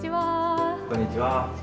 こんにちは。